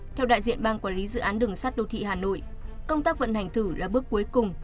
theo đại diện ban quản lý dự án đường sắt đô thị hà nội công tác vận hành thử là bước cuối cùng